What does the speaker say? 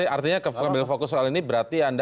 artinya mengambil fokus soal ini berarti anda